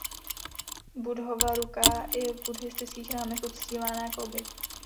Buddhova ruka je v buddhistických chrámech uctívána jako oběť.